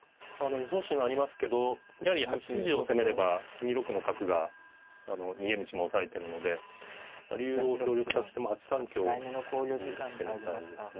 予想手にもありますけどやはり８筋を攻めれば２六の角が逃げ道も押さえてるので竜を協力させて８三香と打ってみたいですね。